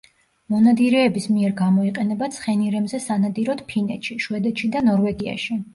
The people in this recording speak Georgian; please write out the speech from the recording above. მონადირეების მიერ გამოიყენება ცხენირემზე სანადიროდ ფინეთში, შვედეთში და ნორვეგიაში.